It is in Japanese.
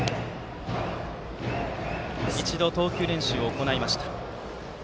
一度投球練習を行いました。